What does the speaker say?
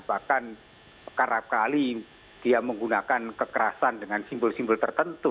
bahkan kerap kali dia menggunakan kekerasan dengan simbol simbol tertentu